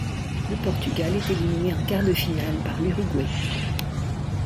Le Portugal est éliminé en quart de finale par l'Uruguay.